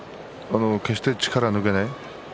決して力を抜かない。